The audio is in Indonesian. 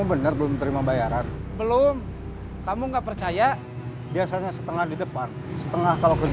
ini buat apa